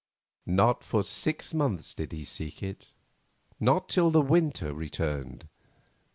Nor for six months did he seek it; not till the winter returned.